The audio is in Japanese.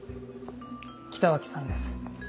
北脇さんです。